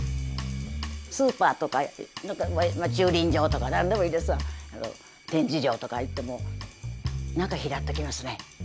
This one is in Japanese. スーパーとか駐輪場とか何でもいいですわ展示場とか行っても何か拾ってきますね。